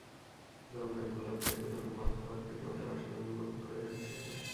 লঙ্কান বোলারদের বেধড়ক মার খাওয়ার দিনেও যাঁরা অসাধারণ বোলিং করে যাচ্ছিলেন।